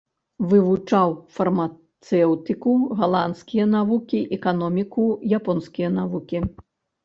Вывучаў фармацэўтыку, галандскія навукі, эканоміку, японскія навукі.